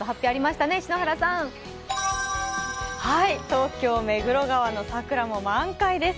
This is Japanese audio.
東京・目黒川の桜も満開です